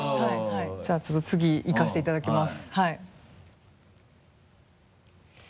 じゃあちょっと次いかせていただきます。